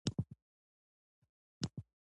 د کازیمیر اغېز خلا انرژي ښيي.